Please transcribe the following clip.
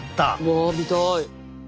わあ見たい。